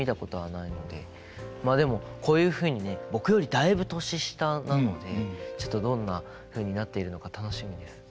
まあでもこういうふうにね僕よりだいぶ年下なのでちょっとどんなふうになっているのか楽しみです。